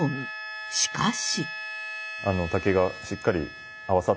しかし。